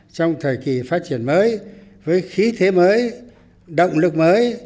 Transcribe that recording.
trong thời kỳ phát triển mới với khí thế mới động lực mới